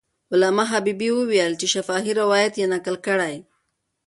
علامه حبیبي وویل چې شفاهي روایت یې نقل کړی.